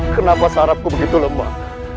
kenapa sarapku begitu lemah